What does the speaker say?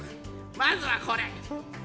まずはこれ。